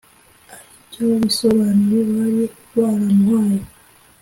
aribyo bisobanuro bari baramuhaye